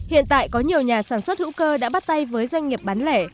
hiện tại có nhiều nhà sản xuất hữu cơ đã bắt tay với doanh nghiệp bán lẻ